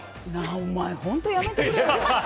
お前、本当やめてくれよ。